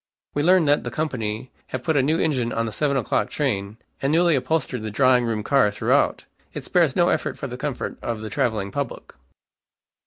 We learn that the company have put a new engine on the seven o'clock train, and newly upholstered the drawing room car throughout. It spares no effort for the comfort of the traveling public."